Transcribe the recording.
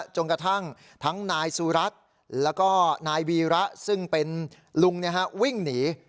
จนกระทั่งทั้งนายสุรัตน์แล้วก็นายวีระซึ่งเป็นลุงวิ่งหนี